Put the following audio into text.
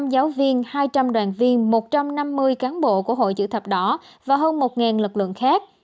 một trăm linh giáo viên hai trăm linh đoàn viên một trăm năm mươi cán bộ của hội chữ thập đỏ và hơn một lực lượng khác